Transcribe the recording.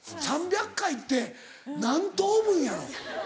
３００回って何頭分やろ？